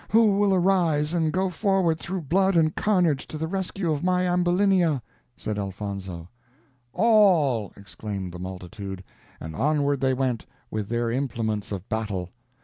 "Who will arise and go forward through blood and carnage to the rescue of my Ambulinia?" said Elfonzo. "All," exclaimed the multitude; and onward they went, with their implements of battle.